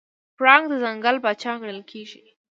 پړانګ د ځنګل پاچا ګڼل کېږي.